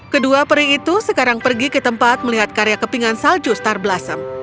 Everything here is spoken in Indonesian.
kedua peri itu sekarang pergi ke tempat melihat karya kepingan salju star blossom